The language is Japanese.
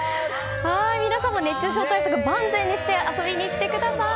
皆さんも熱中症対策万全にして遊びに来てください！